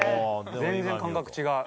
全然感覚違う。